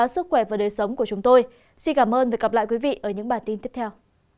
xin cảm ơn và gặp lại quý vị ở những bản tin tiếp theo